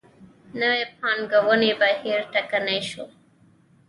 نوې پانګونې بهیر ټکنی شو.